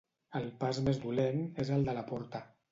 El pas més dolent és el de la porta.